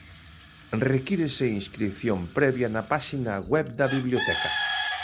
Requírese inscrición previa na páxina web da biblioteca.